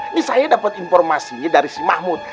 ini saya dapat informasinya dari si mahmud